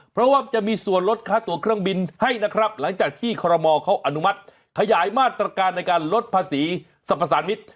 เพราะว่าจะมีส่วนลดค่าตัวเครื่องบินให้นะครับหลังจากที่คอรมอลเขาอนุมัติขยายมาตรการในการลดภาษีสรรพสารมิตร